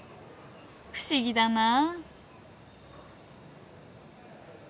不思議だなあ。